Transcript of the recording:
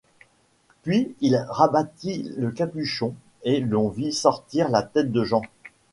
Puis il rabattit le capuchon et l’on vit sortir la tête de Jean.